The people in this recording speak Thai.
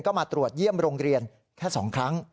ก็มาตรวจเยี่ยมโรงเรียนแค่๒ครั้ง